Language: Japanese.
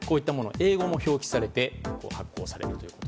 英語も表記されて発行されると。